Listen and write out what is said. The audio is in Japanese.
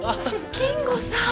金吾さん。